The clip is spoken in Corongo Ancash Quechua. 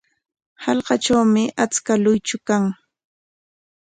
Hallqatrawmi achka luychu kan.